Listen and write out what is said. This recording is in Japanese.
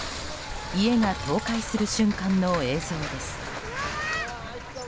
家が倒壊する瞬間の映像です。